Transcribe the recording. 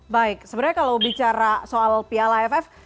baik sebenarnya kalau bicara soal piala aff